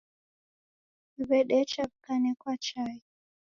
Wendacha wikanekwa chai